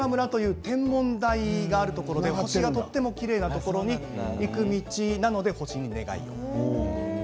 これは高山村という天文台があるところで星がとてもきれいなところに行く道なので「星に願いを」。